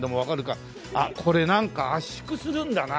あっこれなんか圧縮するんだな。